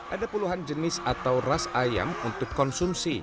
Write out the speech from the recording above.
ada puluhan jenis atau ras ayam untuk konsumsi